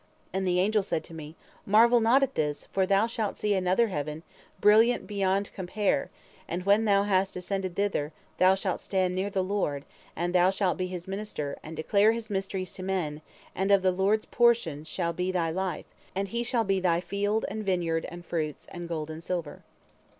And the angel said to me, 'Marvel not at this, for thou shalt see another heaven, brilliant beyond compare, and when thou hast ascended thither, thou shalt stand near the Lord, and thou shalt be His minister, and declare His mysteries to men; and of the Lord's portion shall be thy life, and He shall be thy field and vineyard and fruits and gold and silver.'